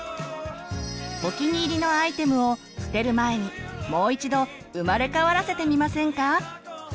お気に入りのアイテムを捨てる前にもう一度生まれ変わらせてみませんか！